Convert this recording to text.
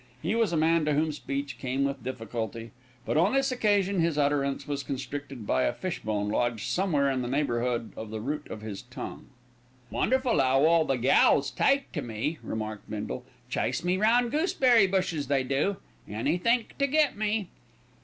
He was a man to whom speech came with difficulty, but on this occasion his utterance was constricted by a fish bone lodged somewhere in the neighbourhood of the root of his tongue. "Wonderful 'ow all the gals take to me," remarked Bindle. "Chase me round gooseberry bushes, they do; anythink to get me."